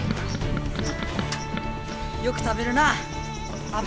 よく食べるなあ。